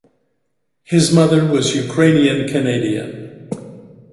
His mother was Ukrainian Canadian.